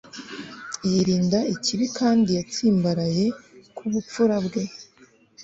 yirinda ikibi, kandi yatsimbaraye ku bupfura bwe